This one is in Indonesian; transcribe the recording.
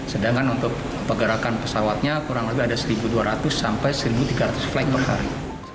sedangkan untuk pergerakan pesawatnya kurang lebih ada satu dua ratus sampai satu tiga ratus flight per hari